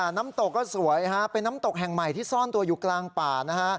น้ำตกก็สวยฮะเป็นน้ำตกแห่งใหม่ที่ซ่อนตัวอยู่กลางป่านะฮะ